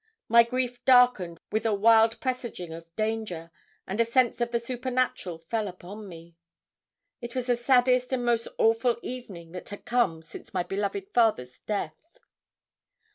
My grief darkened with a wild presaging of danger, and a sense of the supernatural fell upon me. It was the saddest and most awful evening that had come since my beloved father's death.